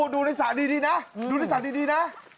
ดูในสระดีนะดูในสระดีนะ